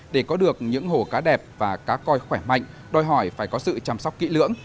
để có được những hồ cá đẹp và cá coi khỏe mạnh đòi hỏi phải có sự chăm sóc kỹ lưỡng